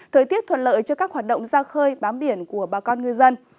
thời tiết thuận lợi cho các hoạt động ra khơi bám biển của bà con ngư dân